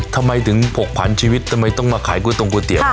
ทำไมถึงผกผันชีวิตทำไมต้องมาขายก๋วยตรงก๋วยเตี๋ยว